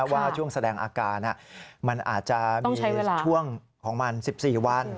ว่าช่วงแสดงอาการมันอาจจะมีช่วงของมัน๑๔วัน